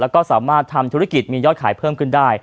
แล้วก็สามารถทำธุรกิจมียอดขายเพิ่มขึ้นได้